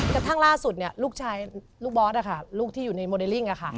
กระทั่งล่าสุดลูกบอชลูกที่อยู่ในโมเดลิ่ง